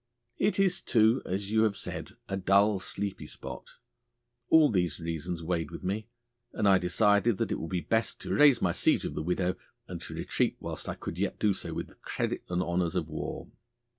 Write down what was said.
It is, too, as you have said, a dull sleepy spot. All these reasons weighed with me, and I decided that it would be best to raise my siege of the widow, and to retreat whilst I could yet do so with the credit and honours of war.